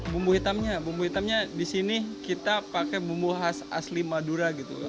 bumbu hitamnya bumbu hitamnya di sini kita pakai bumbu khas asli madura gitu